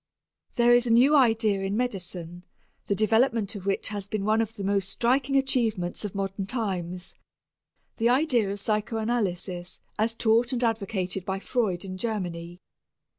There is a new idea in medicine the development of which has been one of the most striking achievements of modern times the idea of psychanalysis as taught and advocated by Freud in Germany.